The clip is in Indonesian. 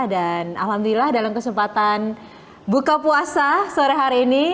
dan alhamdulillah dalam kesempatan buka puasa sore hari ini